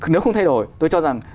nếu không thay đổi tôi cho rằng